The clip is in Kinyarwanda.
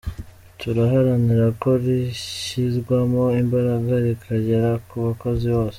Turaharanira ko rishyirwamo imbaraga rikagera ku bakozi bose.